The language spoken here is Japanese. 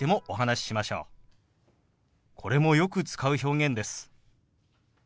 これもよく使う表現です。